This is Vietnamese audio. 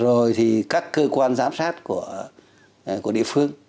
rồi thì các cơ quan giám sát của địa phương